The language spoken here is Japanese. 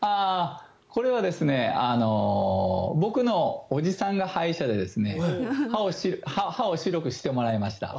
これは僕のおじさんが歯医者で歯を白くしてもらいました。